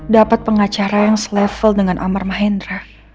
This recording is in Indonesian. dapat pengacara yang selevel dengan amar mahendra